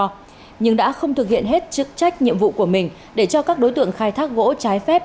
trần văn quy đã hiện hết trực trách nhiệm vụ của mình để cho các đối tượng khai thác gỗ trái phép